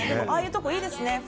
ああいうところいいですね。